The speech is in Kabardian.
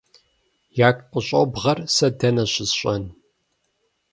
- Ягу къыщӏобгъэр сэ дэнэ щысщӏэн?